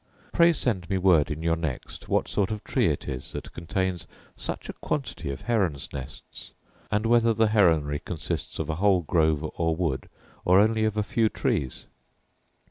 Pray send me word in your next what sort of tree it is that contains such a quantity of herons' nests; and whether the heronry consists of a whole grove or wood, or only of a few trees.